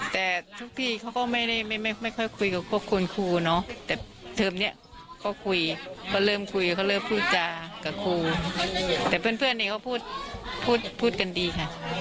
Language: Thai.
แต่เพื่อนเนี่ยก็พูดกันดีค่ะ